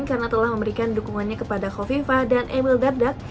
karena telah memberikan dukungannya kepada kofifa dan emil dardak